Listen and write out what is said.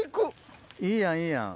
いいやんいいやん。